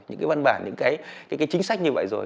những cái văn bản những cái chính sách như vậy rồi